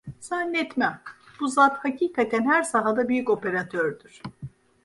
Zannetmem! Bu zat hakikaten her sahada büyük operatördür.